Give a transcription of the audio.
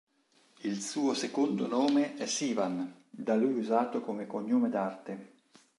Il suo secondo nome è Sivan, da lui usato come cognome d'arte.